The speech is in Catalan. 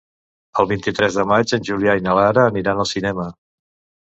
El vint-i-tres de maig en Julià i na Lara aniran al cinema.